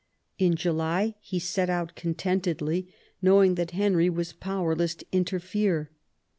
In July he set out contentedly, knowing that Henry was powerless to interfere.